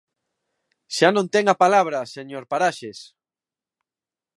Xa non ten a palabra, señor Paraxes.